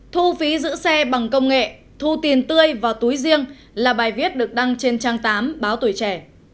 thu phí giữ xe bằng công nghệ thu tiền tươi vào túi riêng là bài viết được đăng trên trang tám báo tuổi trẻ